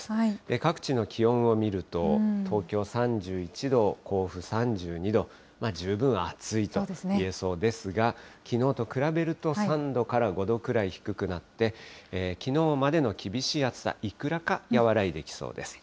各地の気温を見ると、東京３１度、甲府３２度、十分暑いといえそうですが、きのうと比べると３度から５度くらい低くなって、きのうまでの厳しい暑さ、いくらか和らいできそうです。